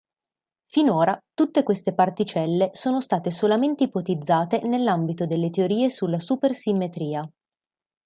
Finora tutte queste particelle sono state solamente ipotizzate nell'ambito delle teorie sulla Supersimmetria.